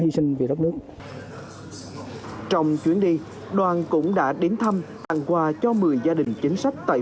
hy sinh vì đất nước trong chuyến đi đoàn cũng đã đến thăm tặng quà cho một mươi gia đình chính sách tại